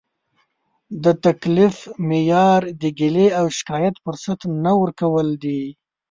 د تکلیف معیار د ګیلې او شکایت فرصت نه ورکول دي.